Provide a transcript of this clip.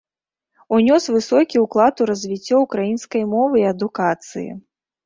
Унёс высокі ўклад у развіццё ўкраінскай мовы і адукацыі.